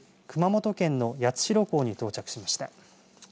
熊本県の八代港に到着しました。